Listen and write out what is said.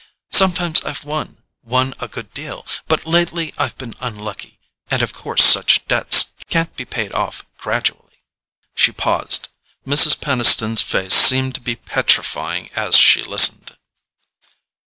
Sometimes I've won—won a good deal—but lately I've been unlucky—and of course such debts can't be paid off gradually——" She paused: Mrs. Peniston's face seemed to be petrifying as she listened.